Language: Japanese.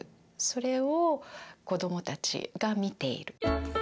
それを子どもたちが見ている。